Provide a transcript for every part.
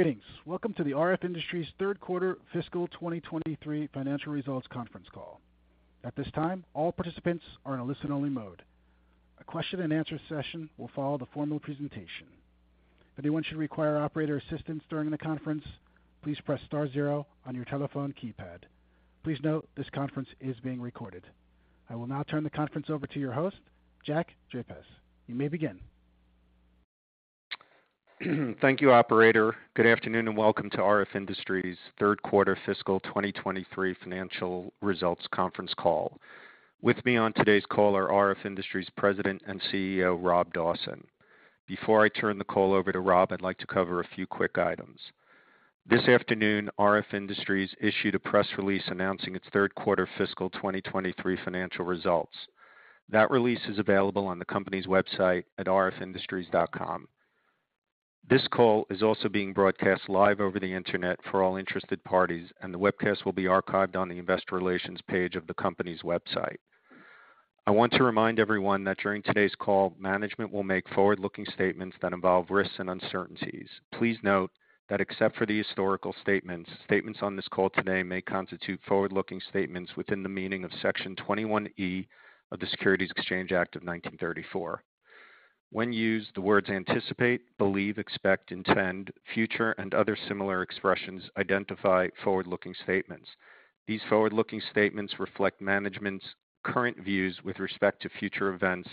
Greetings. Welcome to the RF Industries third quarter fiscal 2023 financial results conference call. At this time, all participants are in a listen-only mode. A question and answer session will follow the formal presentation. If anyone should require operator assistance during the conference, please press star zero on your telephone keypad. Please note, this conference is being recorded. I will now turn the conference over to your host, Jack Drapacz. You may begin. Thank you, operator. Good afternoon, and welcome to RF Industries' third quarter fiscal 2023 financial results conference call. With me on today's call are RF Industries President and CEO, Rob Dawson. Before I turn the call over to Rob, I'd like to cover a few quick items. This afternoon, RF Industries issued a press release announcing its third quarter fiscal 2023 financial results. That release is available on the company's website at rfindustries.com. This call is also being broadcast live over the internet for all interested parties, and the webcast will be archived on the investor relations page of the company's website. I want to remind everyone that during today's call, management will make forward-looking statements that involve risks and uncertainties. Please note that except for the historical statements, statements on this call today may constitute forward-looking statements within the meaning of Section 21E of the Securities Exchange Act of 1934. When used, the words anticipate, believe, expect, intend, future, and other similar expressions identify forward-looking statements. These forward-looking statements reflect management's current views with respect to future events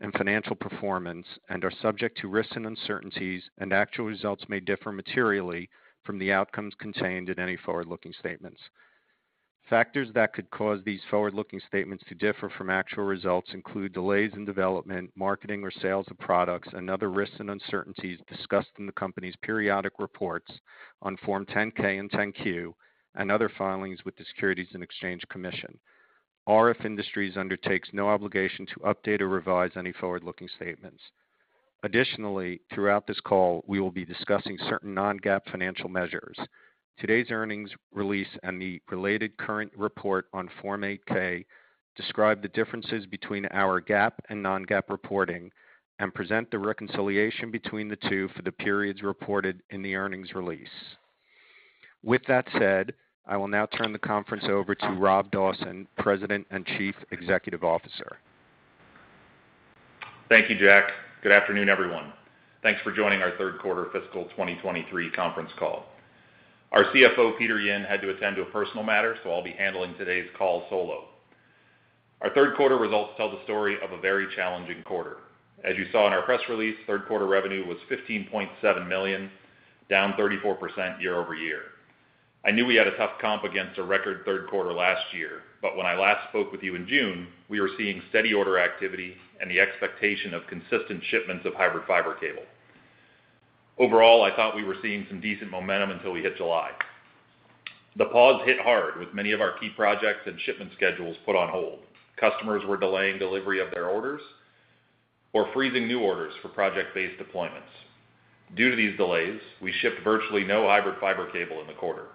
and financial performance and are subject to risks and uncertainties, and actual results may differ materially from the outcomes contained in any forward-looking statements. Factors that could cause these forward-looking statements to differ from actual results include delays in development, marketing, or sales of products and other risks and uncertainties discussed in the company's periodic reports on Form 10-K and 10-Q, and other filings with the Securities and Exchange Commission. RF Industries undertakes no obligation to update or revise any forward-looking statements. Additionally, throughout this call, we will be discussing certain non-GAAP financial measures. Today's earnings release and the related current report on Form 8-K describe the differences between our GAAP and non-GAAP reporting and present the reconciliation between the two for the periods reported in the earnings release. With that said, I will now turn the conference over to Rob Dawson, President and Chief Executive Officer. Thank you, Jack. Good afternoon, everyone. Thanks for joining our third quarter fiscal 2023 conference call. Our CFO, Peter Yin, had to attend to a personal matter, so I'll be handling today's call solo. Our third quarter results tell the story of a very challenging quarter. As you saw in our press release, third quarter revenue was $15.7 million, down 34% year-over-year. I knew we had a tough comp against a record third quarter last year, but when I last spoke with you in June, we were seeing steady order activity and the expectation of consistent shipments of hybrid fiber cable. Overall, I thought we were seeing some decent momentum until we hit July. The pause hit hard with many of our key projects and shipment schedules put on hold. Customers were delaying delivery of their orders or freezing new orders for project-based deployments. Due to these delays, we shipped virtually no hybrid fiber cable in the quarter,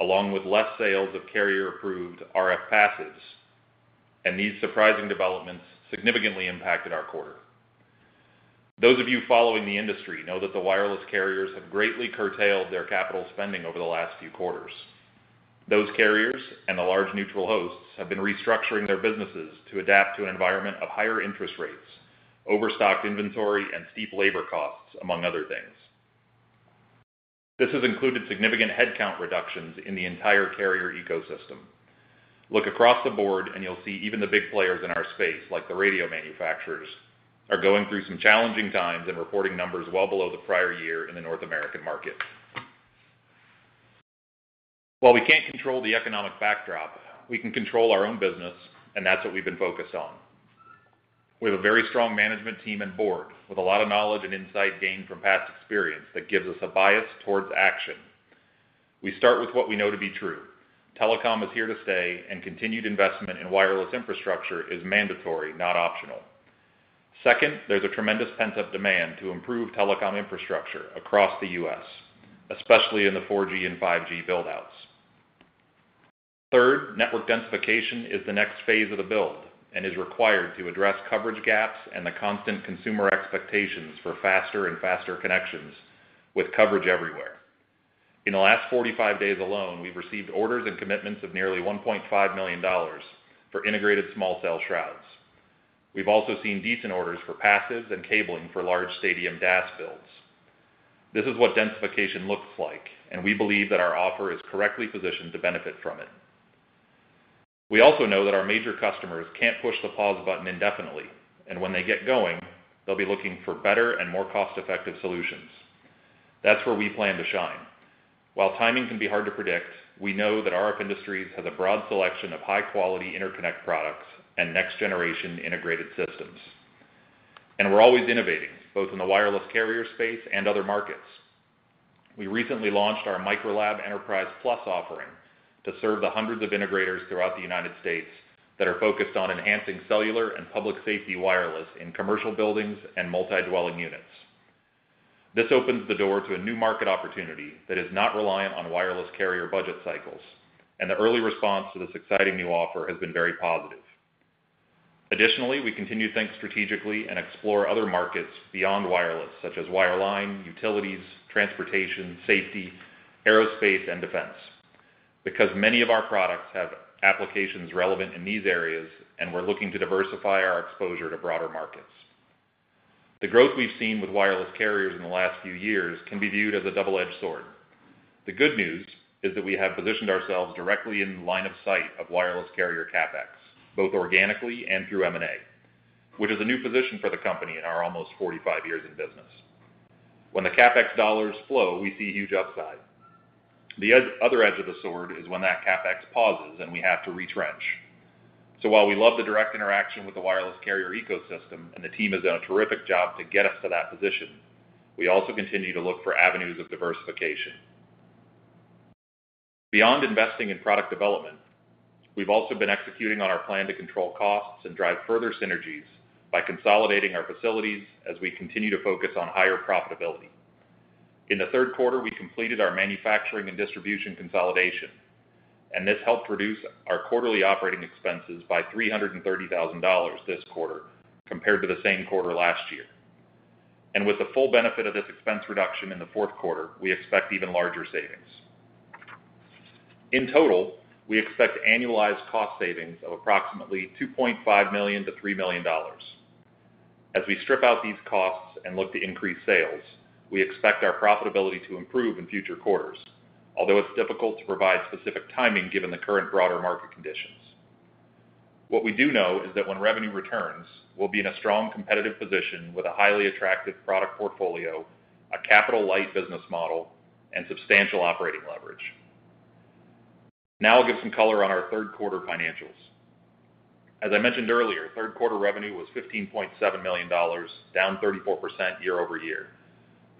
along with less sales of carrier-approved RF passives, and these surprising developments significantly impacted our quarter. Those of you following the industry know that the wireless carriers have greatly curtailed their capital spending over the last few quarters. Those carriers and the large neutral hosts have been restructuring their businesses to adapt to an environment of higher interest rates, overstocked inventory, and steep labor costs, among other things. This has included significant headcount reductions in the entire carrier ecosystem. Look across the board and you'll see even the big players in our space, like the radio manufacturers, are going through some challenging times and reporting numbers well below the prior year in the North American market. While we can't control the economic backdrop, we can control our own business, and that's what we've been focused on. We have a very strong management team and board with a lot of knowledge and insight gained from past experience that gives us a bias towards action. We start with what we know to be true. Telecom is here to stay, and continued investment in wireless infrastructure is mandatory, not optional. Second, there's a tremendous pent-up demand to improve telecom infrastructure across the U.S., especially in the 4G and 5G build-outs. Third, network densification is the next phase of the build and is required to address coverage gaps and the constant consumer expectations for faster and faster connections with coverage everywhere. In the last 45 days alone, we've received orders and commitments of nearly $1.5 million for integrated small cell shrouds. We've also seen decent orders for passives and cabling for large stadium DAS builds. This is what densification looks like, and we believe that our offer is correctly positioned to benefit from it. We also know that our major customers can't push the pause button indefinitely, and when they get going, they'll be looking for better and more cost-effective solutions. That's where we plan to shine. While timing can be hard to predict, we know that RF Industries has a broad selection of high-quality interconnect products and next-generation integrated systems. And we're always innovating, both in the wireless carrier space and other markets. We recently launched our Microlab Enterprise Plus offering to serve the hundreds of integrators throughout the United States that are focused on enhancing cellular and public safety wireless in commercial buildings and multi-dwelling units. This opens the door to a new market opportunity that is not reliant on wireless carrier budget cycles, and the early response to this exciting new offer has been very positive. Additionally, we continue to think strategically and explore other markets beyond wireless, such as wireline, utilities, transportation, safety, aerospace, and defense. Because many of our products have applications relevant in these areas, and we're looking to diversify our exposure to broader markets. The growth we've seen with wireless carriers in the last few years can be viewed as a double-edged sword. The good news is that we have positioned ourselves directly in line of sight of wireless carrier CapEx, both organically and through M&A, which is a new position for the company in our almost 45 years in business. When the CapEx dollars flow, we see huge upside. The other edge of the sword is when that CapEx pauses and we have to retrench. So while we love the direct interaction with the wireless carrier ecosystem, and the team has done a terrific job to get us to that position, we also continue to look for avenues of diversification. Beyond investing in product development, we've also been executing on our plan to control costs and drive further synergies by consolidating our facilities as we continue to focus on higher profitability. In the third quarter, we completed our manufacturing and distribution consolidation, and this helped reduce our quarterly operating expenses by $330,000 this quarter compared to the same quarter last year. And with the full benefit of this expense reduction in the fourth quarter, we expect even larger savings. In total, we expect annualized cost savings of approximately $2.5 million-$3 million. As we strip out these costs and look to increase sales, we expect our profitability to improve in future quarters, although it's difficult to provide specific timing given the current broader market conditions. What we do know is that when revenue returns, we'll be in a strong competitive position with a highly attractive product portfolio, a capital-light business model, and substantial operating leverage. Now I'll give some color on our third quarter financials. As I mentioned earlier, third quarter revenue was $15.7 million, down 34% year-over-year,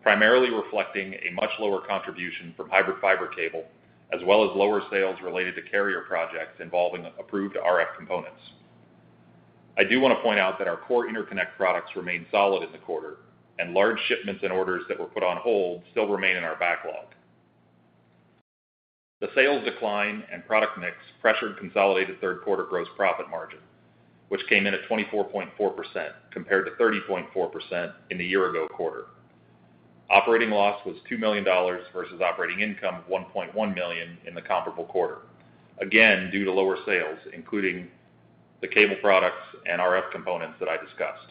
primarily reflecting a much lower contribution from hybrid fiber cable, as well as lower sales related to carrier projects involving approved RF components. I do want to point out that our core interconnect products remained solid in the quarter, and large shipments and orders that were put on hold still remain in our backlog. The sales decline and product mix pressured consolidated third quarter gross profit margin, which came in at 24.4%, compared to 30.4% in the year ago quarter. Operating loss was $2 million versus operating income of $1.1 million in the comparable quarter, again, due to lower sales, including the cable products and RF components that I discussed.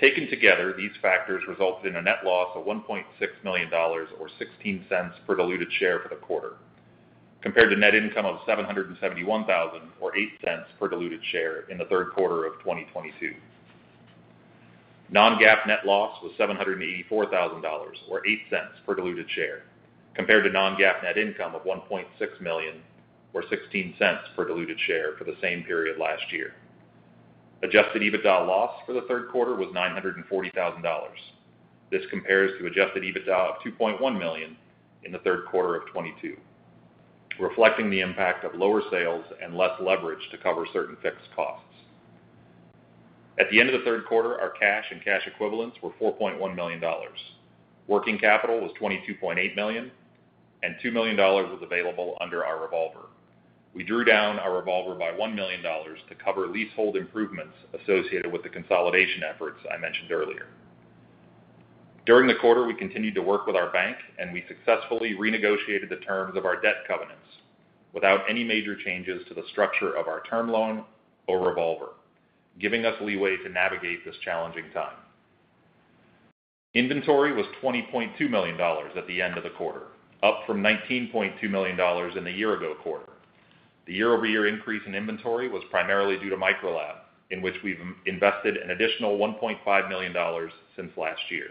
Taken together, these factors resulted in a net loss of $1.6 million or $0.16 per diluted share for the quarter, compared to net income of $771,000 or $0.08 per diluted share in the third quarter of 2022. Non-GAAP net loss was $784,000 or $0.08 per diluted share, compared to non-GAAP net income of $1.6 million or $0.16 per diluted share for the same period last year. Adjusted EBITDA loss for the third quarter was $940,000. This compares to adjusted EBITDA of $2.1 million in the third quarter of 2022, reflecting the impact of lower sales and less leverage to cover certain fixed costs. At the end of the third quarter, our cash and cash equivalents were $4.1 million. Working capital was $22.8 million, and $2 million was available under our revolver. We drew down our revolver by $1 million to cover leasehold improvements associated with the consolidation efforts I mentioned earlier. During the quarter, we continued to work with our bank, and we successfully renegotiated the terms of our debt covenants without any major changes to the structure of our term loan or revolver, giving us leeway to navigate this challenging time. Inventory was $20.2 million at the end of the quarter, up from $19.2 million in the year ago quarter. The year-over-year increase in inventory was primarily due to Microlab, in which we've invested an additional $1.5 million since last year.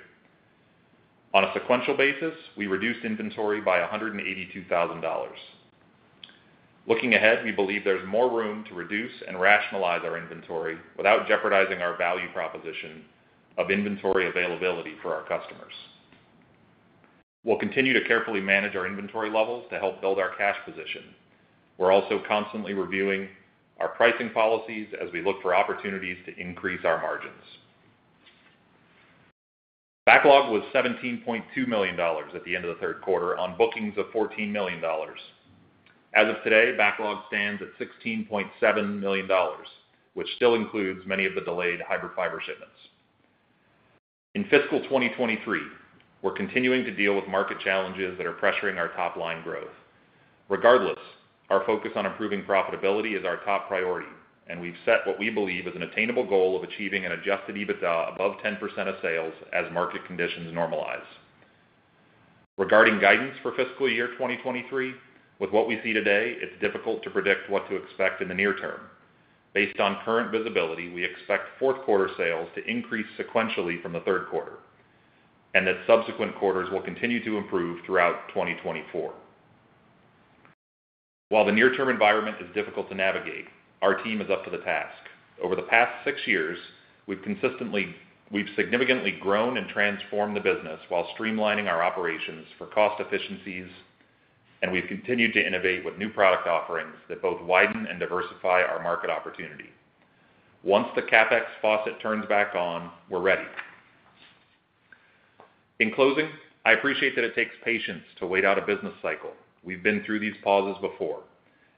On a sequential basis, we reduced inventory by $182,000. Looking ahead, we believe there's more room to reduce and rationalize our inventory without jeopardizing our value proposition of inventory availability for our customers. We'll continue to carefully manage our inventory levels to help build our cash position. We're also constantly reviewing our pricing policies as we look for opportunities to increase our margins. Backlog was $17.2 million at the end of the third quarter on bookings of $14 million. As of today, backlog stands at $16.7 million, which still includes many of the delayed hybrid fiber shipments. In fiscal 2023, we're continuing to deal with market challenges that are pressuring our top-line growth. Regardless, our focus on improving profitability is our top priority, and we've set what we believe is an attainable goal of achieving an Adjusted EBITDA above 10% of sales as market conditions normalize. Regarding guidance for fiscal year 2023, with what we see today, it's difficult to predict what to expect in the near term. Based on current visibility, we expect fourth quarter sales to increase sequentially from the third quarter, and that subsequent quarters will continue to improve throughout 2024. While the near-term environment is difficult to navigate, our team is up to the task. Over the past six years, we've significantly grown and transformed the business while streamlining our operations for cost efficiencies, and we've continued to innovate with new product offerings that both widen and diversify our market opportunity. Once the CapEx faucet turns back on, we're ready. In closing, I appreciate that it takes patience to wait out a business cycle. We've been through these pauses before,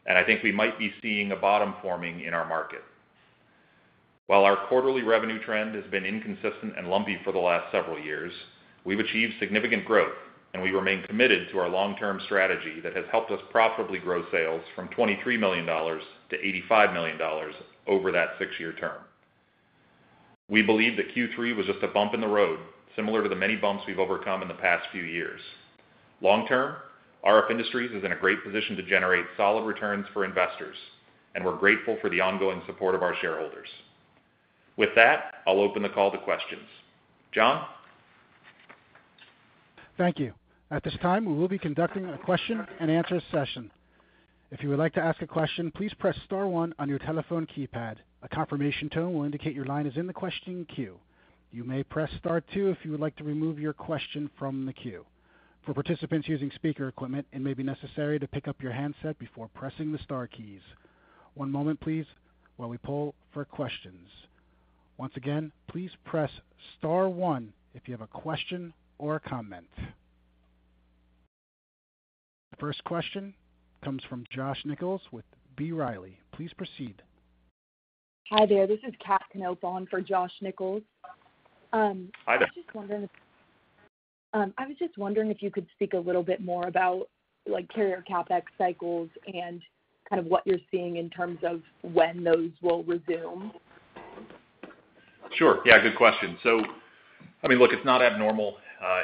and I think we might be seeing a bottom forming in our market. While our quarterly revenue trend has been inconsistent and lumpy for the last several years, we've achieved significant growth, and we remain committed to our long-term strategy that has helped us profitably grow sales from $23 million to $85 million over that six-year term. We believe that Q3 was just a bump in the road, similar to the many bumps we've overcome in the past few years. Long-term, RF Industries is in a great position to generate solid returns for investors, and we're grateful for the ongoing support of our shareholders. With that, I'll open the call to questions. John? Thank you. At this time, we will be conducting a question-and-answer session. If you would like to ask a question, please press star one on your telephone keypad. A confirmation tone will indicate your line is in the questioning queue. You may press star two if you would like to remove your question from the queue. For participants using speaker equipment, it may be necessary to pick up your handset before pressing the star keys. One moment please, while we poll for questions. Once again, please press star one if you have a question or a comment. The first question comes from Josh Nichols with B. Riley. Please proceed. Hi there, this is Kat Knopff on for Josh Nichols. Hi there. I was just wondering if you could speak a little bit more about, like, carrier CapEx cycles and kind of what you're seeing in terms of when those will resume? Sure. Yeah, good question. So, I mean, look, it's not abnormal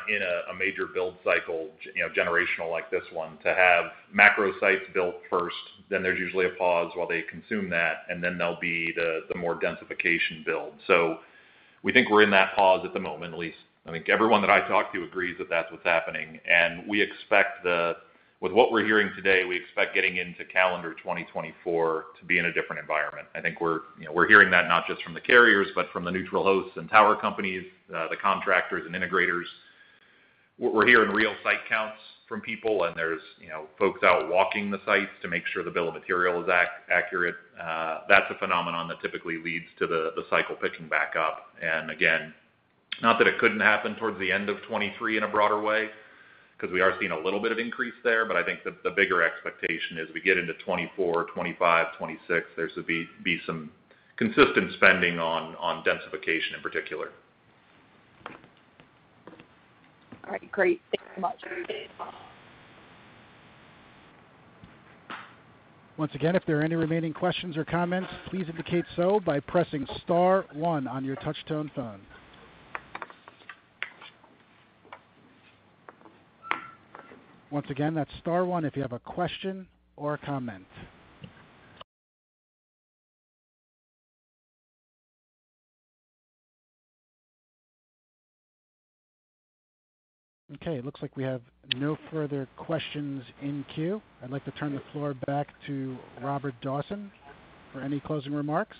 in a major build cycle, generational like this one, to have macro sites built first, then there's usually a pause while they consume that, and then there'll be the more densification build. So we think we're in that pause at the moment, at least. I think everyone that I talk to agrees that that's what's happening, and we expect. With what we're hearing today, we expect getting into calendar 2024 to be in a different environment. I think we're, you know, we're hearing that not just from the carriers, but from the neutral hosts and tower companies, the contractors and integrators. We're hearing real site counts from people, and there's, you know, folks out walking the sites to make sure the bill of material is accurate. That's a phenomenon that typically leads to the cycle picking back up. And again, not that it couldn't happen towards the end of 2023 in a broader way, 'cause we are seeing a little bit of increase there, but I think the bigger expectation is we get into 2024, 2025, 2026, there should be some consistent spending on densification in particular. All right, great. Thank you so much. Once again, if there are any remaining questions or comments, please indicate so by pressing star one on your touch tone phone. Once again, that's star one if you have a question or a comment. Okay, it looks like we have no further questions in queue. I'd like to turn the floor back to Robert Dawson for any closing remarks.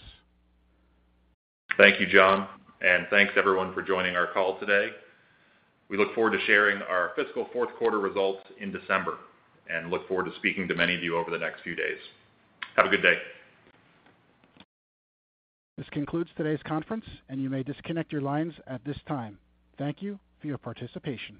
Thank you, John, and thanks everyone for joining our call today. We look forward to sharing our fiscal fourth quarter results in December, and look forward to speaking to many of you over the next few days. Have a good day. This concludes today's conference, and you may disconnect your lines at this time. Thank you for your participation.